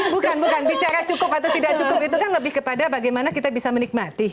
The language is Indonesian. bukan bukan bicara cukup atau tidak cukup itu kan lebih kepada bagaimana kita bisa menikmati